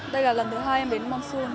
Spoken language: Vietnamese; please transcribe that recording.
đây là lần thứ hai em đến monsoon